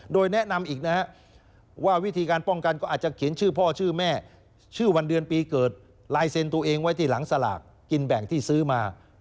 โดยแนะนำอีกนะฮะว่าวิธีการป้องกันก็อาจจะเขียนชื่อพ่อชื่อแม่ชื่อวันเดือนปีเกิดลายเซ็นต์ตัวเองไว้ที่หลังสลากกินแบ่งที่ซื้อมา